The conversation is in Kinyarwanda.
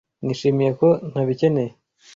Nishimiye ko ntabikeneye